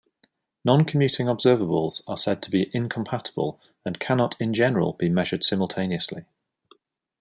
Noncommuting observables are said to be "incompatible" and cannot in general be measured simultaneously.